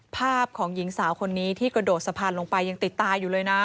ภาพของหญิงสาวคนนี้ที่กระโดดสะพานลงไปยังติดตาอยู่เลยนะ